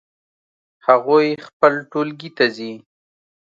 هغوی خپل ټولګی ته ځي